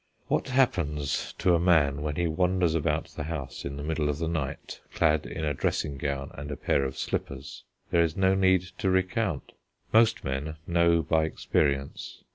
What happens to a man when he wanders about the house in the middle of the night, clad in a dressing gown and a pair of slippers, there is no need to recount; most men know by experience.